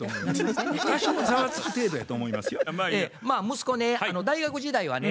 息子ね大学時代はね